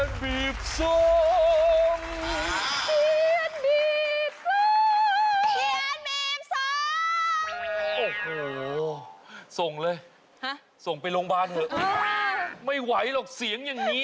โอ้โหส่งเลยส่งไปโรงพยาบาลเถอะไม่ไหวหรอกเสียงอย่างนี้